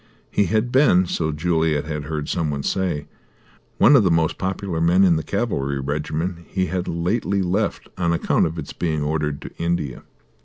He had been, so Juliet had heard some one say, one of the most popular men in the cavalry regiment he had lately left on account of its being ordered to India.